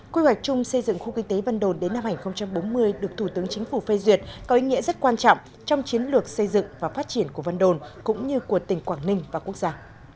quy hoạch chung xây dựng khu kinh tế vân đồn đến năm hai nghìn bốn mươi được thủ tướng chính phủ phê duyệt có ý nghĩa rất quan trọng trong chiến lược xây dựng và phát triển của vân đồn cũng như của tỉnh quảng ninh và quốc gia